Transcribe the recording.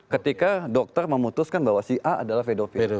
ketika dokter memutuskan bahwa si a adalah pedofil